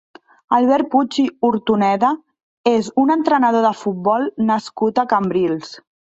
Albert Puig Ortoneda és un entrenador de futbol nascut a Cambrils.